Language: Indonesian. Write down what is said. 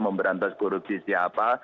memberantas kurupi siapa